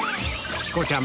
チコちゃん